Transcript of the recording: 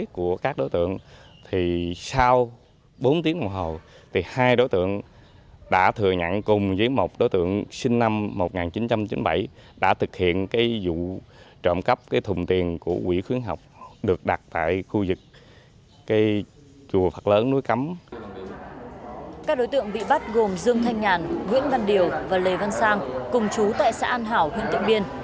các đối tượng bị bắt gồm dương thanh nhàn nguyễn văn điều và lê văn sang cùng chú tại xã an hảo huyện tịnh biên